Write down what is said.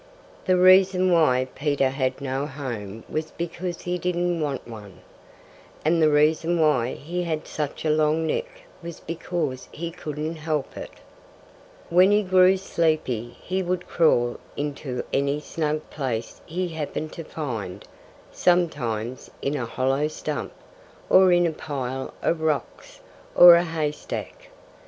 The reason why Peter had no home was because he didn't want one. And the reason why he had such a long neck was because he couldn't help it. When he grew sleepy he would crawl into any snug place he happened to find sometimes in a hollow stump, or in a pile of rocks, or a haystack.